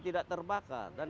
tidak terbakar dan